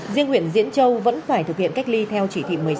riêng huyện diễn châu vẫn phải thực hiện cách ly theo chỉ thị một mươi sáu